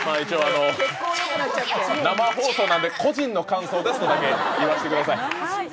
生放送なんで、個人の感想ですとだけ言わせてください。